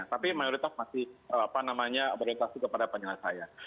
tapi mayoritas masih apa namanya berorientasi kepada penyelesaian